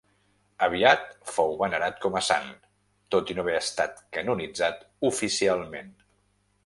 Aviat fou venerat com a sant, tot i no haver estat canonitzat oficialment.